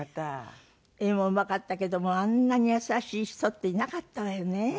絵もうまかったけどもあんなに優しい人っていなかったわよね。